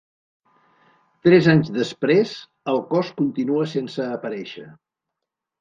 Tres anys després, el cos continua sense aparèixer.